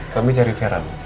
kami cari vera